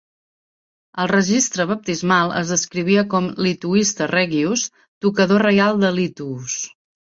Al registre baptismal es descrivia com "Lituista Regius" - "tocador reial de lituus".